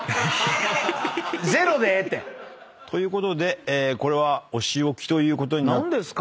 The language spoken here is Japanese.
ゼロでええって。ということでこれはお仕置きということに。